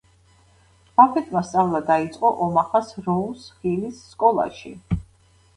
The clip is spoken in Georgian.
ბაფეტმა სწავლა დაიწყო ომაჰას როუზ ჰილის სკოლაში.